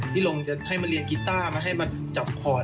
ลงจะให้มาเรียนกีต้ามาให้มาจับคอร์ด